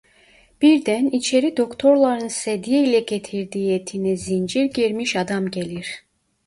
Birden içeri doktorların sedye ile getirdiği etine zincir girmiş adam gelir.